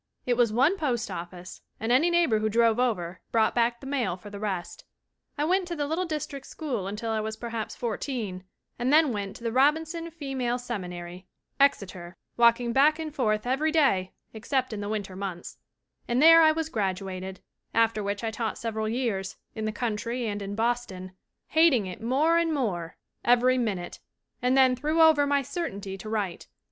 It was one postoffice, and any neighbor who drove over brought back the mail for the rest. "I went to the little district school until I was per haps fourteen and then went to the 'Robinson Fe male Seminary,' Exeter, walking back and forth every day except in the winter months, and there I was graduated after which I taught several years, in the country and in Boston, hating it more and more every 12 THE WOMEN WHO MAKE OUR NOVELS minute, and then threw over my certainty to write.